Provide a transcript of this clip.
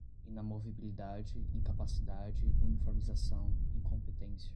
inamovibilidade, incapacidade, uniformização, incompetência